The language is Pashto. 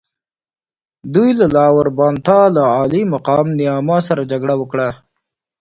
دوی له لاور بانتا له عالي مقام نیاما سره جګړه وکړه.